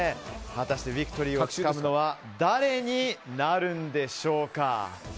果たしてビクトリーをつかむのは誰になるんでしょうか。